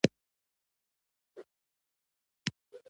حاجي نذیر احمد تائي یاداښتونه راوسپارل.